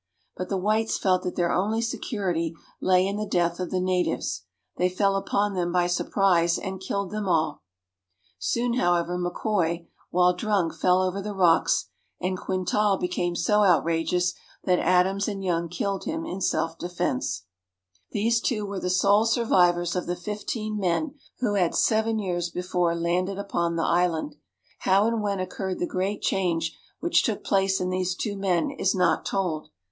But the whites felt that their only security lay in the death of the natives ; they fell upon them by surprise and killed them all. Soon, however, McKoy while drunk fell over the 506 THE STORY OF PITCAIRN ISLAND rocks, and Quintal became so outrageous that Adams and Young killed him in self defense. These two were the sole survivors of the fifteen men who had seven years before landed upon the island. How and when occurred the great change which took place in these two men is not told.